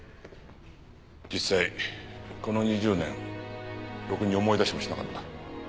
実際この２０年ろくに思い出しもしなかった。